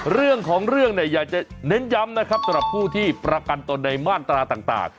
เรื่องของเรื่องเนี่ยอยากจะเน้นย้ำนะครับสำหรับผู้ที่ประกันตนในมาตราต่าง